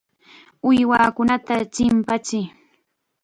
Uywakunata chimpachiy.